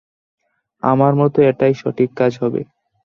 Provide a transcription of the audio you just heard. আমার মতে এটাই সঠিক কাজ হবে।